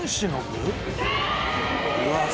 うわっ！